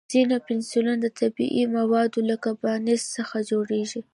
ځینې پنسلونه د طبیعي موادو لکه بانس څخه جوړېږي.